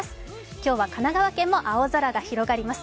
今日は神奈川県も青空が広がります。